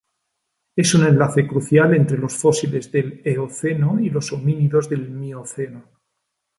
Es un enlace crucial entre los fósiles del Eoceno y los homínidos del Mioceno.